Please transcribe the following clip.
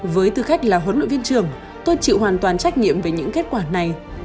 với tư cách là huấn luyện viên trưởng tôi chịu hoàn toàn trách nhiệm về những kết quả này